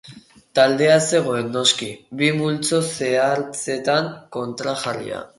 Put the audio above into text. Taldea ez zegoen, noski, bi multzo zehatzetan kontrajarria.